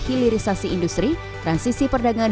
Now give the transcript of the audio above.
hilirisasi industri transisi perdagangan